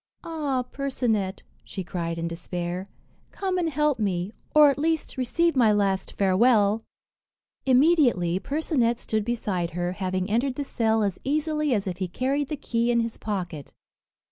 "Ah! Percinet," she cried in despair, "come and help me, or at least receive my last farewell." Immediately Percinet stood beside her, having entered the cell as easily as if he carried the key in his pocket.